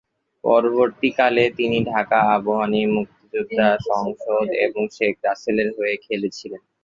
পরবর্তীকালে, তিনি ঢাকা আবাহনী, মুক্তিযোদ্ধা সংসদ এবং শেখ রাসেলের হয়ে খেলেছিলেন।